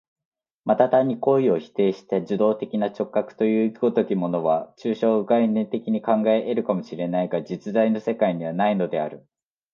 また単に行為を否定した受働的な直覚という如きものは、抽象概念的に考え得るかも知れないが、実在の世界にはないのである。